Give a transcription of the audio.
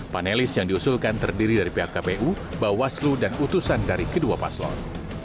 panelis yang diusulkan terdiri dari pihak kpu bawaslu dan utusan dari kedua paslon